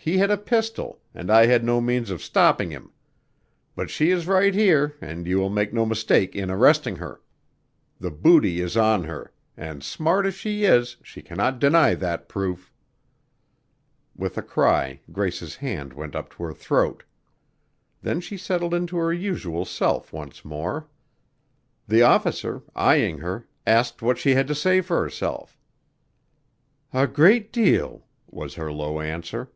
He had a pistol and I had no means of stopping him. But she is right here and you will make no mistake in arresting her. The booty is on her, and smart as she is, she cannot deny that proof." With a cry, Grace's hand went up to her throat. Then she settled into her usual self once more. The officer, eyeing her, asked what she had to say for herself. "A great deal," was her low answer.